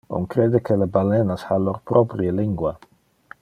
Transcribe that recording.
On crede que le balenas ha lor proprie lingua.